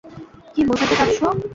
কি বোঝাতে চাচ্ছো?